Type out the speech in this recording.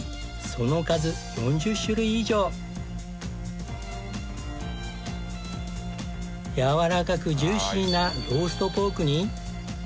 その数やわらかくジューシーなローストポークに。